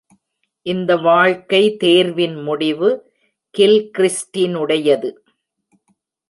இந்த வாழ்க்கை தேர்வின் முடிவு கில்கிறிஸ்டினுடையது.